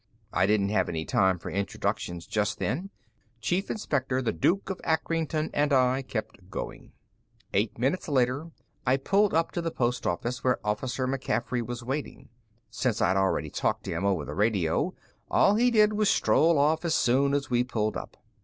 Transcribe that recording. I didn't have any time for introductions just then; Chief Inspector the Duke of Acrington and I kept going. Eight minutes later, I pulled up to the post where Officer McCaffery was waiting. Since I'd already talked to him over the radio, all he did was stroll off as soon as we pulled up.